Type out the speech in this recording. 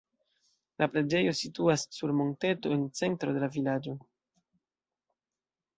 La preĝejo situas sur monteto en centro de la vilaĝo.